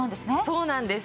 そうなんです。